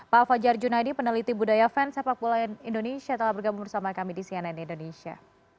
pak fajar junaidi peneliti budaya fans sepak bola indonesia telah bergabung bersama kami di cnn indonesia